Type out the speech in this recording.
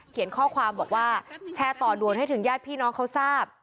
ข้อความบอกว่าแชร์ต่อด่วนให้ถึงญาติพี่น้องเขาทราบ